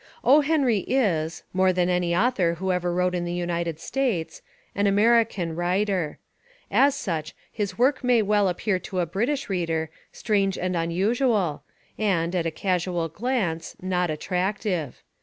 O. Henry is, more than any author who ever wrote in the United States, an American writer. As such his work may well appear to a British reader strange and unusual, and, at a casual glance, not attractive.